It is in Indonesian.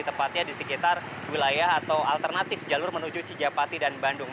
tepatnya di sekitar wilayah atau alternatif jalur menuju cijapati dan bandung